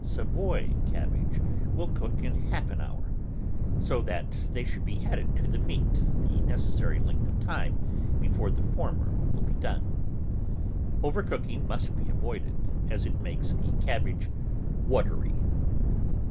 Savoy cabbage will cook in a half hour, THE VEGETABLE GARDEN SO that they should be added to the meat the neces sary length of time before the former will be done. Over cooking must be avoided, as it makes the cabbage watery.